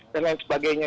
dan lain sebagainya